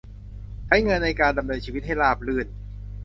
ใช้เงินในการดำเนินชีวิตให้ราบรื่น